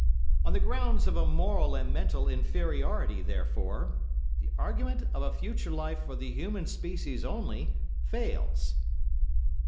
On the grounds of a moral and mental inferiority, therefore, the argument of a future life for the human species only, fails.